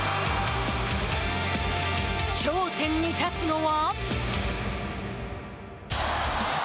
頂点に立つのは。